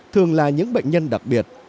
thường là những bệnh nhân đặc biệt